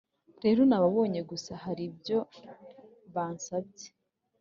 rero nababonye gusa haribyo bansabye.